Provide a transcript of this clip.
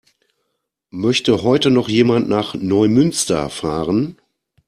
Möchte heute noch jemand nach Neumünster fahren?